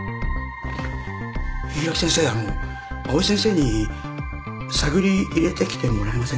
柊木先生あの藍井先生に探り入れてきてもらえませんか？